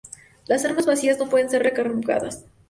Las armas vacías no pueden ser recargadas.